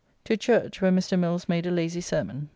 To church, where Mr. Mills made a lazy sermon.